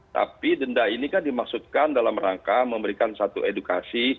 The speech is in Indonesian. tapi denda ini kan dimaksudkan dalam rangka memberikan satu edukasi